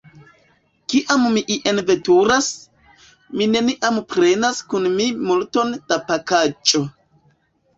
Kiam mi ien veturas, mi neniam prenas kun mi multon da pakaĵo.